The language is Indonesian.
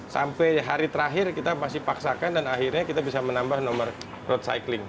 sampai hari terakhir kita masih paksakan dan akhirnya kita bisa menambah nomor road cycling